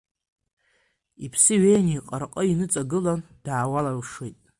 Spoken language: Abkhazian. Иԥсы ҩеины иҟырҟы иныҵагылан, даауалуашеит.